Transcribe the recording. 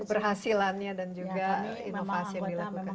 keberhasilannya dan juga inovasi yang dilakukan